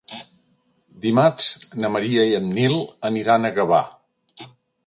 Dimarts na Maria i en Nil aniran a Gavà.